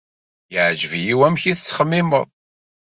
Yeɛjeb-iyi wamek ay tettxemmimed.